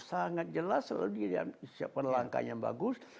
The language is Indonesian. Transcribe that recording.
sangat jelas lalu dia siapkan langkahnya yang bagus